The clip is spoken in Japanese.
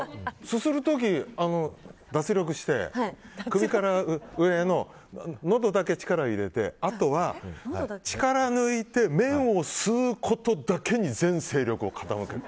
すする時、脱力して首から上ののどだけ力を入れてあとは、力を抜いて麺を吸うことだけに全精力を傾ける。